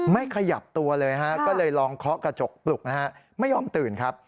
ขยับตัวเลยฮะก็เลยลองเคาะกระจกปลุกนะฮะไม่ยอมตื่นครับ